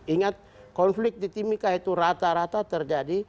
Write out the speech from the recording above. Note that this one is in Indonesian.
ingat konflik di timika itu rata rata terjadi